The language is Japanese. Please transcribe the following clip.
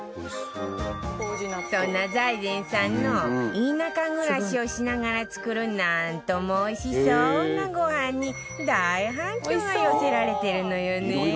そんな財前さんの田舎暮らしをしながら作るなんともおいしそうなごはんに大反響が寄せられてるのよね